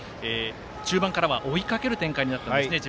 中盤からは追いかける展開になったんですね。